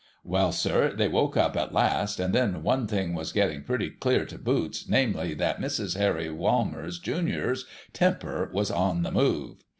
^Vell, sir, they woke up at last, and then one thing was getting pretty clear to Boots, namely, that Mrs. Harry Walmerses, Junior's, temper was on the move.